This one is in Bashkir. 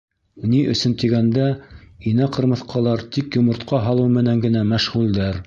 Ни өсөн тигәндә, инә ҡырмыҫҡалар тик йомортҡа һалыу менән генә мәшғүлдәр.